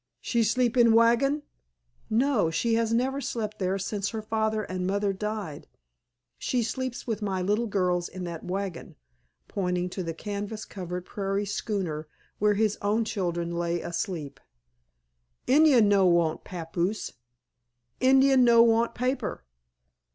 "She sleep in wagon?" "No, she has never slept there since her father and mother died. She sleeps with my little girls in that wagon," pointing to the canvas covered prairie schooner where his own children lay asleep. "Indian no want papoose. Indian no want paper.